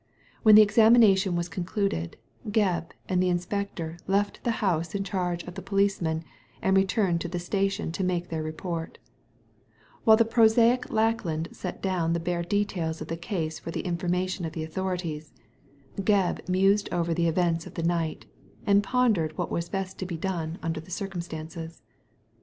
When the examination was concluded, Gebb and the inspector left the house in charge of the policeman, and returned to the station to make their report While the prosaic Lackland set down the bare details of the case for the in formation of the authorities, Gebb mused over the events of the night, and pondered what was best to be done under the circumstances.